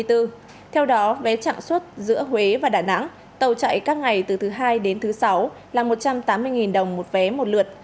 theo đó vé trạng suất giữa huế và đà nẵng tàu chạy các ngày từ thứ hai đến thứ sáu là một trăm tám mươi đồng một vé một lượt